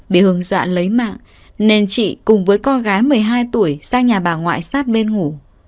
bị hướng dọa lấy mạng nên chị cùng với con gái một mươi hai tuổi sang nhà bà ngoại sát bên ngủ